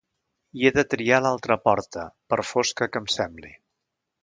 I he de triar l'altra porta, per fosca que em sembli.